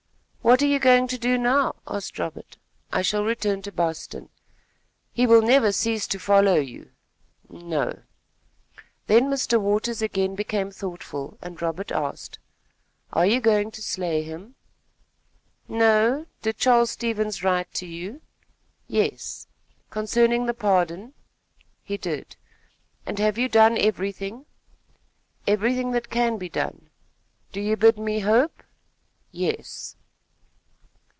"What are you going to do now?" asked Robert. "I shall return to Boston." "He will never cease to follow you." "No." Then Mr. Waters again became thoughtful, and Robert asked: "Are you going to slay him?" "No. Did Charles Stevens write to you?" "Yes." "Concerning the pardon?" "He did." "And have you done everything?" "Everything that can be done." "Do you bid me hope?" "Yes."